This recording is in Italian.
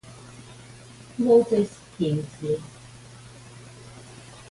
Moses Kingsley